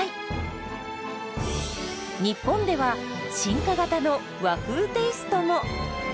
日本では進化型の和風テイストも！